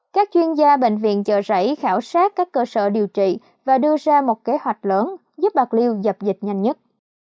các chuyên gia bệnh viện chợ rẫy khảo sát các cơ sở điều trị và đưa ra một kế hoạch lớn giúp bạc liêu dập dịch nhanh nhất